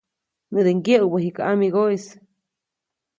Näde ŋgyeʼubä jikä ʼamigoʼis.